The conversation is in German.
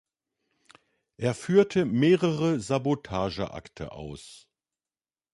Er führte mehrere Sabotageakte aus.